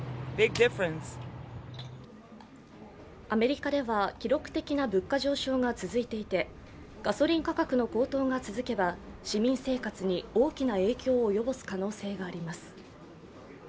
アメリカでは記録的な物価上昇が続いていてガソリン価格の高騰が続けば市民生活に大きな影響を及ぼす可能性があります。